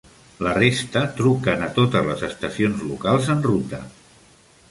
La resta truquen a totes les estacions locals en ruta.